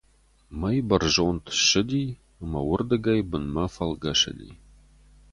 Мӕй бӕрзонд ссыди ӕмӕ уырдыгӕй бынмӕ фӕлгӕсыди.